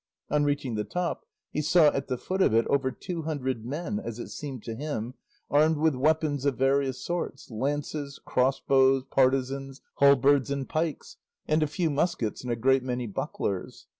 On reaching the top he saw at the foot of it over two hundred men, as it seemed to him, armed with weapons of various sorts, lances, crossbows, partisans, halberds, and pikes, and a few muskets and a great many bucklers.